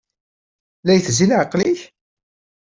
La itezzi leɛqel-ik?